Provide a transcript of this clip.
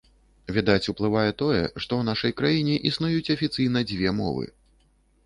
Відаць, уплывае тое, што ў нашай краіне існуюць афіцыйна дзве мовы.